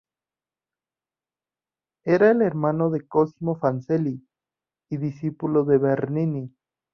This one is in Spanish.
Era el hermano de Cosimo Fancelli y discípulo de Bernini.